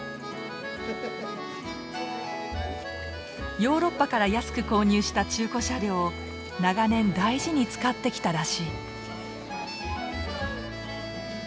ヨーロッパから安く購入した中古車両を長年大事に使ってきたらしい。